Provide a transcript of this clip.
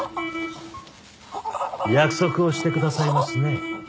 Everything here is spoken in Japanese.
約束をしてくださいますね？